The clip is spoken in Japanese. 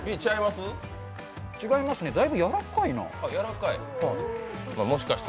違いますね、だいぶやわらかいな。